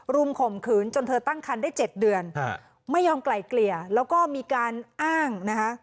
ข่มขืนจนเธอตั้งคันได้๗เดือนไม่ยอมไกลเกลี่ยแล้วก็มีการอ้างนะคะ